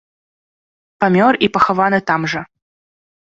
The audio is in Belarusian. Памёр і пахаваны там жа.